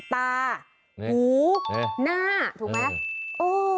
ตาหูหน้าถูกไหม